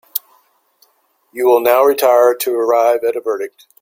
You will now retire to arrive at a verdict.